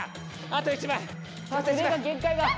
あと１枚！